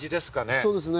そうですね。